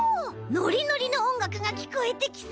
ノリノリのおんがくがきこえてきそう！